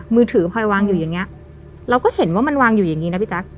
มือถือพลอยวางอยู่อย่างเงี้ยเราก็เห็นว่ามันวางอยู่อย่างนี้นะพี่แจ๊ค